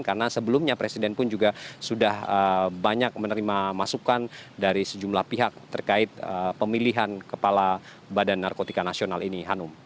karena sebelumnya presiden pun juga sudah banyak menerima masukan dari sejumlah pihak terkait pemilihan kepala badan narkotika nasional ini